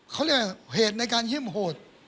เขาเรียกว่าเหตุในการฮิ่มโหด